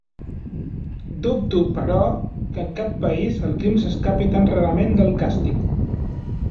Dubto, però, que en cap país el crim s'escapi tan rarament del càstig.